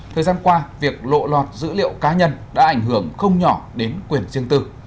thời gian qua việc lộ lọt dữ liệu cá nhân đã ảnh hưởng không nhỏ đến quyền riêng tư